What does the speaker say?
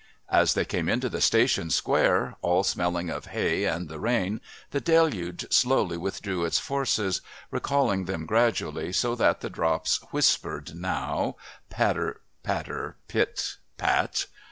As they came into the station square, all smelling of hay and the rain, the deluge slowly withdrew its forces, recalling them gradually so that the drops whispered now, patter patter pit pat.